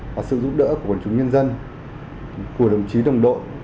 và sự giúp đỡ của quần chúng nhân dân của đồng chí đồng đội